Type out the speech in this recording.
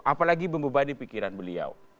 apalagi membebani pikiran beliau